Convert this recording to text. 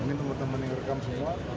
ini teman teman yang rekam semua